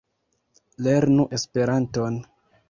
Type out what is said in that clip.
Lernu Esperanton!